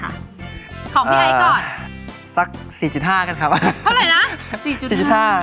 ของพี่ไอ้ก่อนสักสี่จุดห้ากันครับอ่ะเท่าไหร่นะกับสี่จุดสี่จุดห้า